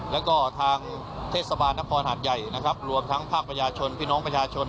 แล้วก็ทางเทศบาลนครหาดใหญ่นะครับรวมทั้งภาคประชาชนพี่น้องประชาชน